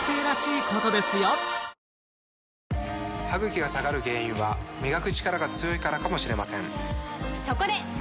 歯ぐきが下がる原因は磨くチカラが強いからかもしれませんそこで！